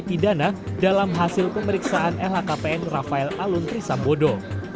pidana dalam hasil pemeriksaan lhkpn rafael alun trisambodo